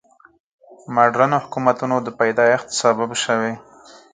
مډرنو حکومتونو د پیدایښت سبب شوي.